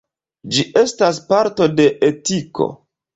Ĝi estas parto de etiko.